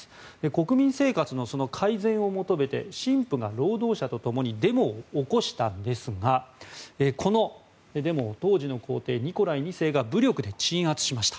国民生活の改善を求めて神父が労働者とともにデモを起こしたんですがこのでも、当時の皇帝ニコライ２世が武力で鎮圧しました。